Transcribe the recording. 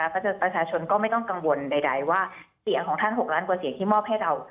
ประชาชนก็ไม่ต้องกังวลใดว่าเสียงของท่าน๖ล้านกว่าเสียงที่มอบให้เรา